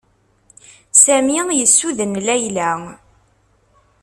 Sami yessuden Layla.